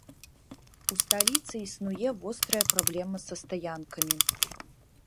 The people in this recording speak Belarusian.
У сталіцы існуе вострая праблема са стаянкамі.